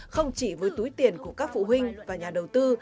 không chỉ với túi tiền của các phụ huynh và nhà đầu tư